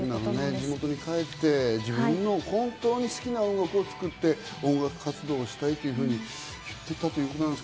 地元に帰って、自分の本当に好きな音楽を作りたい、音楽活動をしたいというふうに言っていたということです。